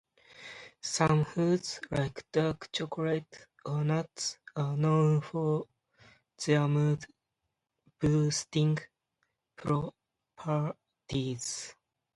Some foods, like dark chocolate or nuts, are known for their mood-boosting properties.